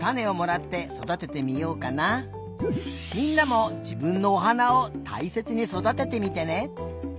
みんなもじぶんのおはなをたいせつにそだててみてね。